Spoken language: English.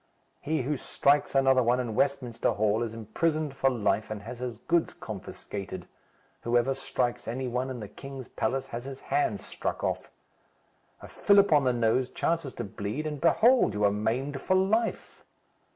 He who strikes another one in Westminster Hall is imprisoned for life and has his goods confiscated. Whoever strikes any one in the king's palace has his hand struck off. A fillip on the nose chances to bleed, and, behold! you are maimed for life.